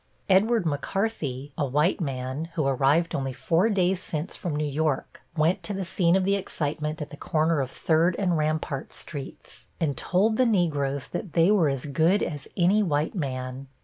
Edward McCarthy, a white man, who arrived only four days since from New York, went to the scene of the excitement at the corner of Third and Rampart Streets, and told the Negroes that they were as good as any white man.